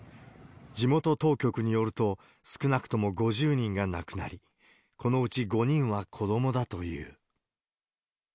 地元当局によると、少なくとも５０人が亡くなり、このうち５人は子どもだという。